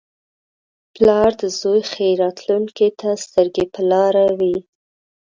• پلار د زوی ښې راتلونکې ته سترګې په لاره وي.